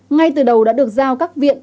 ngay từ đầu đã được giao các viện